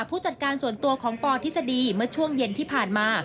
ผู้จัดการส่วนตัวของปทฤษฎีเมื่อช่วงเย็นที่ผ่านมา